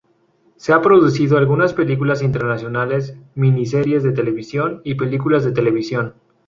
Se ha producido algunas películas internacionales, miniseries de televisión y películas de televisión.